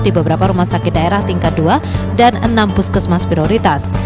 di beberapa rumah sakit daerah tingkat dua dan enam puskesmas prioritas